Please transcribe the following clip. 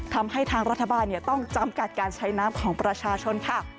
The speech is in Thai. ทำให้ทางรัฐบาลต้องจำกัดการใช้น้ำของประชาชนค่ะ